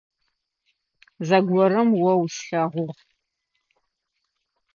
Зэгорэм о услъэгъугъ.